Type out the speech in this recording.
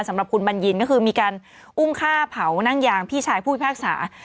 สำหรับคุณบัญญินก็คือมีการอุ้มฆ่าเผานั่งยางพี่ชายผู้พิพากษา